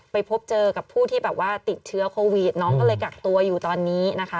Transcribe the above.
ไปเจอกับผู้ที่แบบว่าติดเชื้อโควิดน้องก็เลยกักตัวอยู่ตอนนี้นะคะ